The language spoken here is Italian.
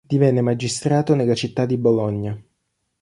Divenne magistrato nella città di Bologna.